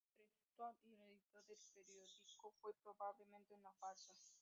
El duelo entre Stoney y el editor del periódico fue probablemente una farsa.